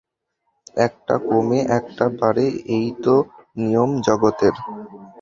একটা কমে একটা বাড়ে, এই তো নিয়ম জগতের।